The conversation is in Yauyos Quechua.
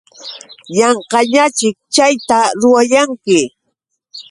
Yanqañaćhik chayta ruwayanki.